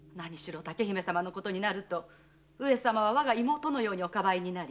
竹姫様のことになると上様は我が妹のようにお庇いになり。